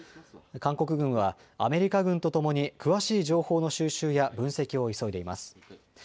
韓国軍はアメリカ軍とともに詳しい情報の収集や分析を急いでいます。